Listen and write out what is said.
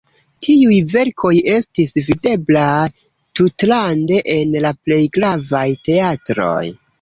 Tiuj verkoj estis videblaj tutlande en la plej gravaj teatroj.